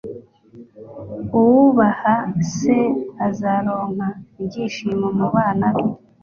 uwubaha se azaronka ibyishimo mu bana be